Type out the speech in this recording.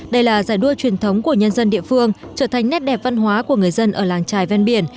đây là giải đua truyền thống của nhân dân địa phương trở thành nét đẹp văn hóa của người dân ở làng trài ven biển